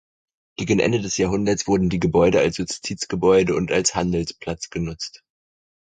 Gegen Ende des Jahrhunderts wurden die Gebäude als Justizgebäude und als Handelsplatz genutzt.